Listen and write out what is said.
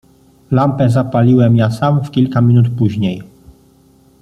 "Lampę zapaliłem ja sam w kilka minut później."